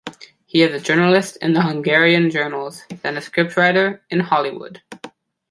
He is a journalist in the Hungarian journals, then a scriptwriter in Hollywood.